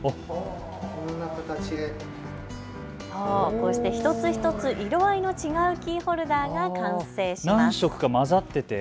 こうして一つ一つ色合いの違うキーホルダーが完成します。